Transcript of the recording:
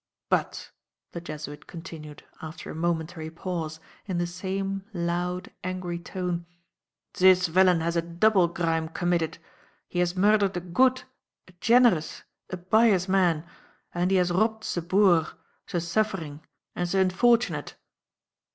"But," the Jesuit continued, after a momentary pause, in the same loud, angry tone: "Zis villain has a double grime gommitted; he has murdered a goot, a chenerous, a bious man; and he has robbed ze boor, ze suffering and ze unfortunate."